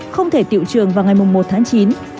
không thể tiệu trường vào ngày một chín